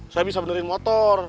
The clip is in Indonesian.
saya bisa menderit motor